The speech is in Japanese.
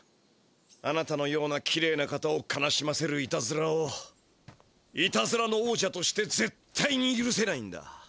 あなたのようなきれいな方を悲しませるいたずらをいたずらの王者としてぜっ対にゆるせないんだ。